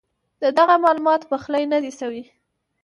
ددغه معلوماتو پخلی نۀ دی شوی